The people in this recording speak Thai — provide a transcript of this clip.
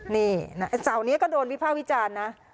นี่สาวนี้ก็โดนวิภาควิจารณ์นะ